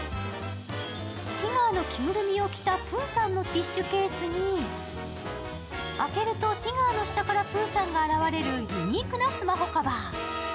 ティガーの着ぐるみを着たプーさんのティッシュケースに開けるとティガーの下からプーさんが現れるユニークなスマホカバー。